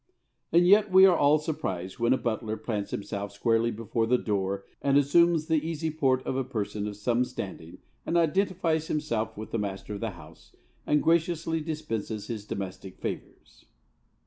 And yet we are all surprised when a butler plants himself squarely before the door and assumes the easy port of a person of some standing and identifies himself with the master of the house and graciously dispenses his domestic favours.